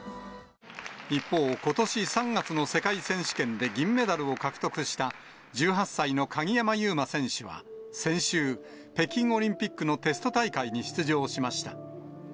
一方、ことし３月の世界選手権で銀メダルを獲得した、１８歳の鍵山優真選手は先週、北京オリンピックのテスト大会に出場しました。